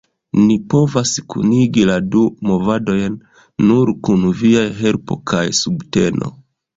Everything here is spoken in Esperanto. Ni povas kunigi la du movadojn nur kun viaj helpo kaj subteno.